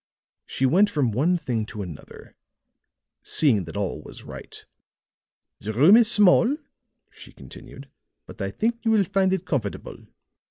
She went from one thing to another, seeing that all was right "The room is small," she continued, "but I think you will find it comfortable.